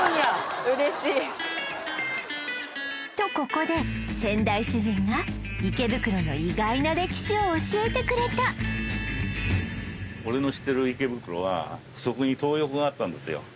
とここで先代主人が池袋の意外な歴史を教えてくれた俺の知ってる池袋はそこに東横があったんですよ